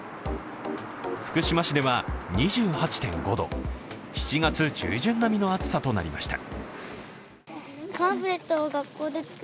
福島市では２８．５度、７月中旬並みの暑さとなりました。